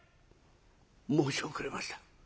申し遅れました。